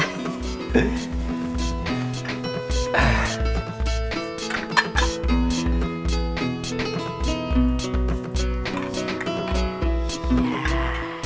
misalnya itu anak anaknya